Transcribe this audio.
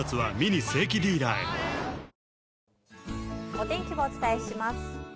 お天気をお伝えします。